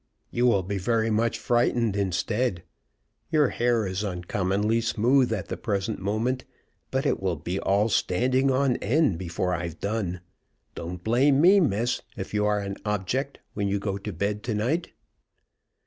"You will be very much frightened instead. You hair is uncommonly smooth at the present moment, but it will be all standing on end before I've done. Don't blame me, miss, if you are an object when you go to bed to night!"